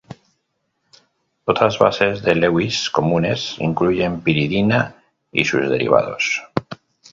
Otras bases de Lewis comunes incluyen piridina y sus derivados.